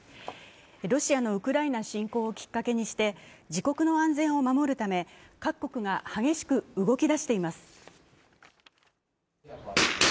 ロシアのウクライナ侵攻をきっかけにして、自国の安全を守るため各国が激しく動き出しています。